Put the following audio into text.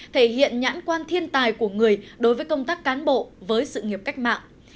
thể hiện nhãn quan thiên tài của người đối với công tác cán bộ với sự nghiệp cách mạng